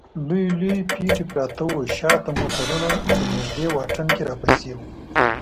لوی لوی پټي پراته و، شا ته موټرونه په نږدې واټن کې راپسې و.